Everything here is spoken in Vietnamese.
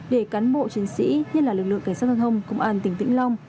để cán bộ chiến sĩ như lực lượng cảnh sát thông thông công an tỉnh vĩnh long